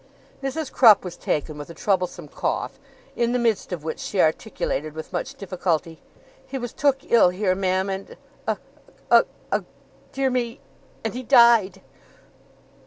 Mrs. Crupp was taken with a troublesome cough, in the midst of which she articulated with much difficulty. 'He was took ill here, ma'am, and ugh! ugh! ugh! dear me! and he died!